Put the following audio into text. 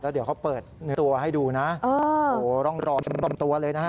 เดี๋ยวเขาเปิดตัวให้ดูนะโถรอทิ้งต้มตัวเลยนะคะ